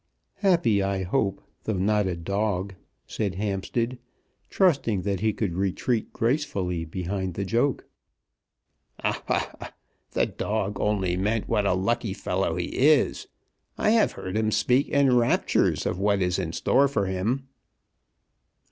"Happy, I hope, though not a dog," said Hampstead, trusting that he could retreat gracefully behind the joke. "Ha, ha, ha! The dog only meant what a lucky fellow he is. I have heard him speak in raptures of what is in store for him."